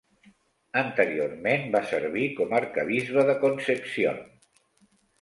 Anteriorment va servir com Arquebisbe de Concepción.